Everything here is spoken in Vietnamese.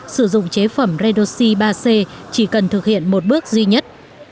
sử dụng chế phẩm redoxi ba c chỉ cần thực hiện một bước duy nhất